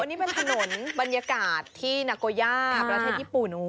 นี่เป็นถนนบรรยากาศที่นาโกย่าประเทศญี่ปุ่น